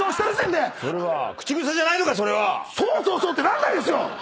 そうそうそうってなんないです！